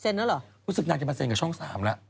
แล้วเหรอรู้สึกนางจะมาเซ็นกับช่อง๓แล้ว